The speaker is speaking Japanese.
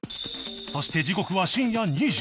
そして時刻は深夜２時